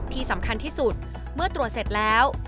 ที่สำคัญที่สุดเมื่อตรวจเสร็จแล้ว